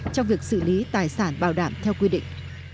trong việc xử lý tài sản bảo đảm theo quy định